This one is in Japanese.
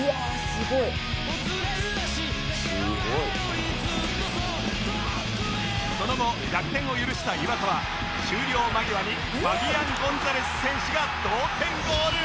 「すごい」その後逆転を許した磐田は終了間際にファビアン・ゴンザレス選手が同点ゴール